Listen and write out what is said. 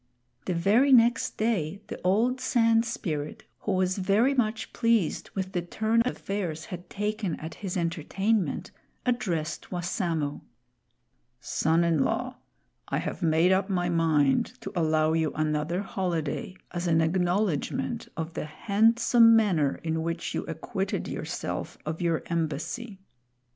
The very next day the old Sand Spirit, who was very much pleased with the turn affairs had taken at his entertainment, addressed Wassamo: "Son in law, I have made up my mind to allow you another holiday as an acknowledgment of the handsome manner in which you acquitted yourself of your embassy.